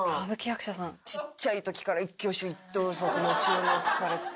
ちっちゃい時から一挙手一投足に注目されて。